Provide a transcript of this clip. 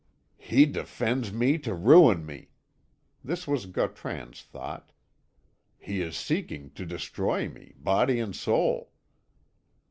"He defends me to ruin me," this was Gautran's thought; "he is seeking to destroy me, body and soul."